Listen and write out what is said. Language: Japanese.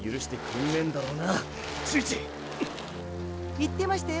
言ってましたよ